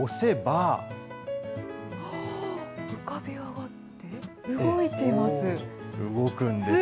あっ、浮かび上がって、動いてます。